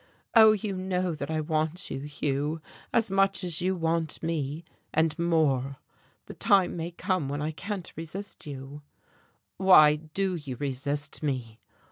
"Oh, you know that I want you, Hugh, as much as you want me, and more. The time may come when I can't resist you." "Why do you resist me?"